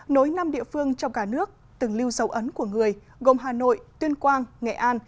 nối năm địa phương trong cả nước từng lưu dấu ấn của người gồm hà nội tuyên quang nghệ an